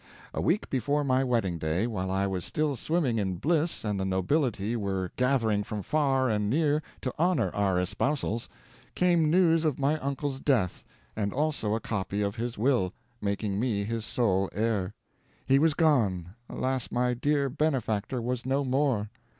A week before my wedding day, while I was still swimming in bliss and the nobility were gathering from far and near to honor our espousals, came news of my uncle's death, and also a copy of his will, making me his sole heir. He was gone; alas, my dear benefactor was no more.